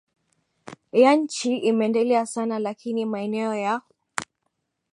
ya nchi imeendelea sana lakini maeneo ya